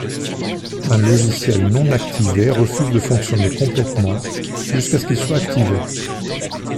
Un logiciel non activé refuse de fonctionner complètement jusqu'à ce qu'il soit activé.